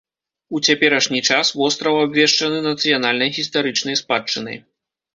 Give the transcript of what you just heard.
У цяперашні час востраў абвешчаны нацыянальнай гістарычнай спадчынай.